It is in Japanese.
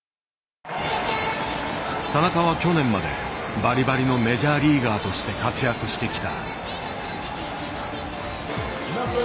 田中は去年までバリバリのメジャーリーガーとして活躍してきた。